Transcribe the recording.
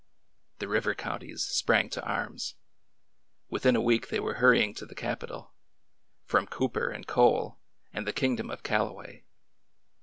The river counties sprang to arms. Within a week they were hurrying to the capital— from Cooper and Cole and the Kingdom of Callaway.